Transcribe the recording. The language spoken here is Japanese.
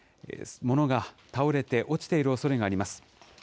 ものが倒れて落ちているおそれがあります。